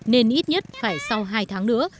nên ít nhất phải sau hai tháng nữa